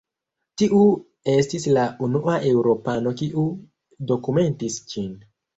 Tiu estis la unua eŭropano kiu dokumentis ĝin.